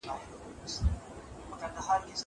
کار د ډلې له خوا ترسره کيږي!!